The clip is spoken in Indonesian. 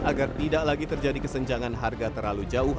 agar tidak lagi terjadi kesenjangan harga terlalu jauh